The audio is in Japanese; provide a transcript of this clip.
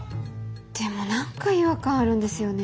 でも何か違和感あるんですよね。